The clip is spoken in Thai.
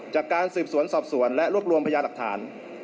จากการสืบสวนสอบสวนและรวบรวมพยาหลักฐาน